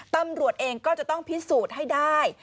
ตำรวจเองก็จะต้องพิสูจน์ให้ได้